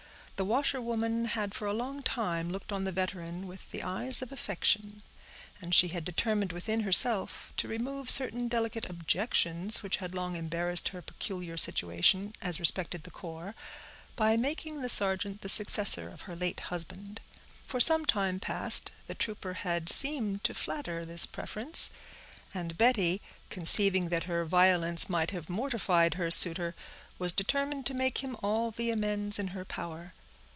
The washerwoman had for a long time looked on the veteran with the eyes of affection; and she had determined within herself to remove certain delicate objections which had long embarrassed her peculiar situation, as respected the corps, by making the sergeant the successor of her late husband. For some time past the trooper had seemed to flatter this preference; and Betty, conceiving that her violence might have mortified her suitor, was determined to make him all the amends in her power.